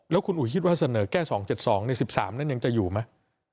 แล้วคุณอุ๋ยคิดว่าเสนอแค่๒๗๒ใน๑๓นั้นยังจะอยู่ไหม